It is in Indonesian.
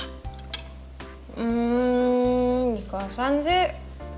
hmm di kosan sih